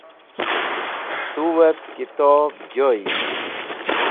Tuep Kitob Joy